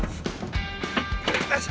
よし！